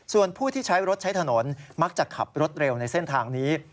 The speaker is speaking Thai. ส่วนผู้ที่ใช้รถใช้ถนนมักจะขับรถเร็วในเส้นทางนี้